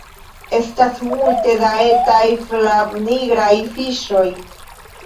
Estas multe da etaj flavnigraj fiŝoj